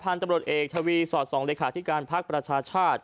ตำรวจเอกทวีสอดส่องเลขาธิการพักประชาชาติ